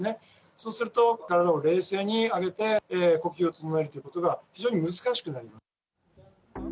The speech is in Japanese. そうすると、体を冷静に上げて、呼吸を整えるということが非常に難しくなります。